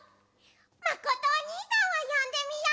まことおにいさんをよんでみよう！